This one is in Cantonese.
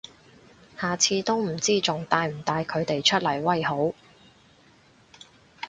下次都唔知仲帶唔帶佢哋出嚟威好